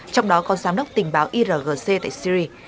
trong đó còn giám đốc tình báo irgc tại syria